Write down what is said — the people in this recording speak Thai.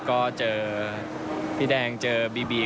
ก็เจอพี่แดงเจอบีบี